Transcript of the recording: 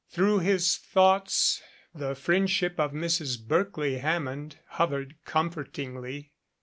Through his thoughts, the friendship of Mrs. Berkeley Hammond hov ered comfortingly.